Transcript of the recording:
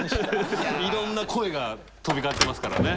いろんな声が飛び交ってますからね。